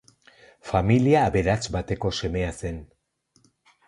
Familia aberats bateko semea zen.